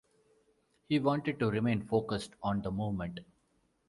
He wanted to remain focused on the movement.